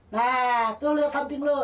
nah tuh liat samping lu